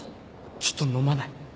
ちょっと飲まない？